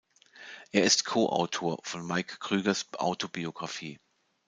Er ist Co-Autor von Mike Krügers Autobiografie.